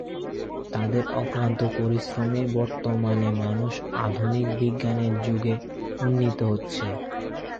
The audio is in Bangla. তাদের অক্লান্ত পরিশ্রমেই বর্তমানে মানুষ অত্যাধুনিক বিজ্ঞানের যুগে উন্নীত হয়েছে।